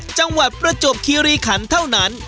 จังหวัดประจบคิรีคันเท่านั้น